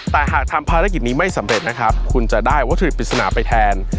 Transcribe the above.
แต่หากทำภารกิจนี้ไม่สำเร็จนะครับคุณจะได้วัตถุปริศนาไปแทน